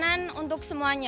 kecamanan untuk semuanya